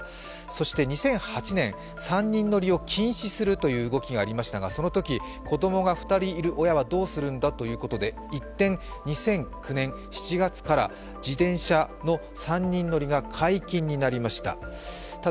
そして２００８年、３人乗りを禁止するという動きがありましたが、そのとき、子供が２人いる親はどうするんだということで一転、２００９年７月から自転車の３人乗りが解禁になりました。